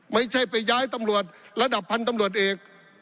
ไม่ใช่ไปย้ายตำรวจระดับพันธุ์ตำรวจเอก